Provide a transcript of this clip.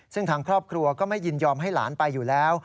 ซึ่งทางครอบครัวก็ไม่ยินยอมให้หลานไปอยู่แล้ว